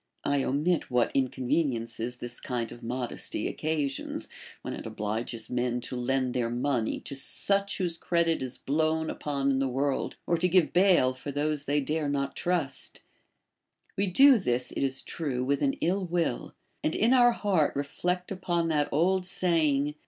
I omit what inconveniences this kind of modesty occasions, Λvhen it obhges men to lend their money to such Avhose credit is blown upon in the workl, or to give bail for those they dare not trust ; we do this, it is true, with an ill will, and in our heart reflect upon that old saying.